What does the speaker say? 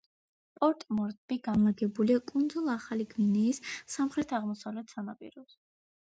პორტ-მორზბი განლაგებულია კუნძულ ახალი გვინეის სამხრეთ-აღმოსავლეთ სანაპიროზე.